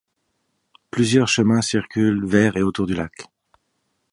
Plusieurs chemins circulent vers et autour du lac.